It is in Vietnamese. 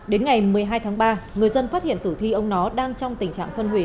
đến ngày một mươi hai tháng ba người dân phát hiện tử thi ông nó đang trong tình trạng phân hủy